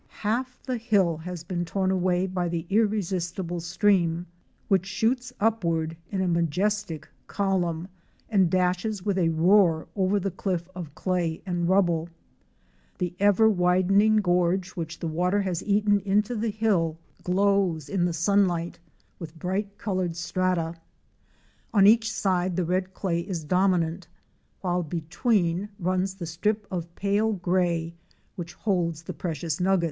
Half the hill has been torn away by the irresistible stream, which shoots upward in a majestic column and dashes with a roar against the cliff of clay and rubble. The ever widen ing gorge which the water has eaten into the hill glows in 168 OUR SEARCH FOR A WILDERNESS. the sunlight with bright colored strata. On each side the red clay is dominant, while between runs the strip of pale gray which holds the precious nuggets.